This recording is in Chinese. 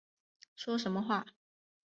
说什么话